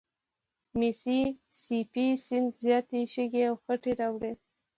میسي سي پي سیند زیاتي شګې او خټې راوړي.